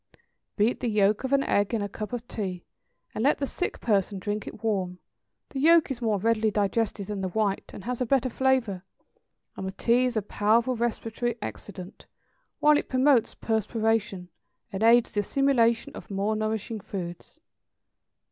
= Beat the yolk of an egg in a cup of tea, and let the sick person drink it warm; the yolk is more readily digested than the white, and has a better flavor; and the tea is a powerful respiratory excitant, while it promotes perspiration, and aids the assimilation of more nourishing foods.